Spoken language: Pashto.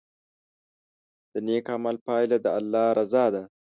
د نیک عمل پایله د الله رضا ده.